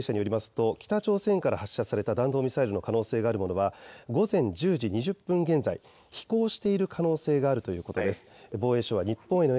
防衛省関係者によりますと北朝鮮から発射された弾道ミサイルの可能性があるものは午前１０時２０分現在、飛行している可能性があるということです。